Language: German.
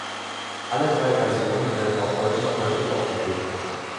Alle drei Versionen werden auch heute noch häufig aufgeführt.